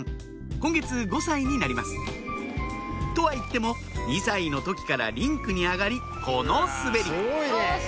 今月５歳になりますとはいっても２歳の時からリンクに上がりこの滑りすごい。